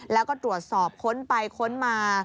แล้วก็ตรวจสอบค้นไปค้นมา